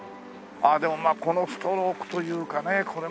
でもこのストロークというかねこれもまた素晴らしい。